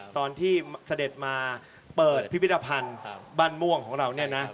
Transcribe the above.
ตอนที่เสด็จมาเปิดภิกษภัณภ์บานม่วงของเราเนี่ยนะ